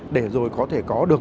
để rồi có thể có được